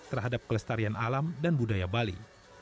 terhadap kelestarian alam dan budaya bali